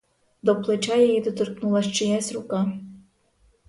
До плеча її доторкнулась чиясь рука.